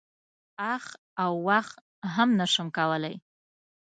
اخ او واخ هم نه شم کولای.